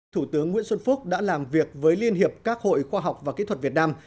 thủ tướng nguyễn xuân phúc đã làm việc với liên hiệp các hội khoa học và kỹ thuật việt nam